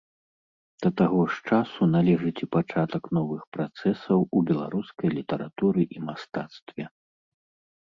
Да таго ж часу належыць і пачатак новых працэсаў у беларускай літаратуры і мастацтве.